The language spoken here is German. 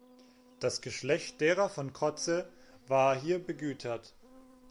Das Geschlecht derer von Kotze war hier begütert.